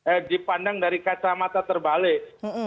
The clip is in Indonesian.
eh dipandang dari kacamata terbalik